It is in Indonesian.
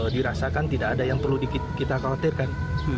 dirasakan tidak ada yang perlu kita khawatirkan